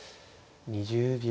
２０秒。